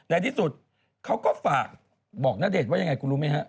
ในที่สุดเขาก็ฝากบอกณเดชน์ว่ายังไงคุณรู้ไหมฮะ